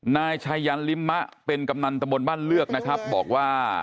นายชายรัลลิมาเป็นกำไนตะโกนบ้านเลือกบอกว่า